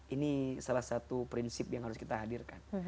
ini salah satu prinsip yang harus kita hadirkan